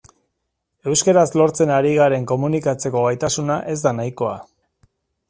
Euskaraz lortzen ari garen komunikatzeko gaitasuna ez da nahikoa.